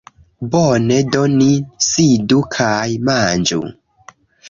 Bone, do ni sidu kaj manĝu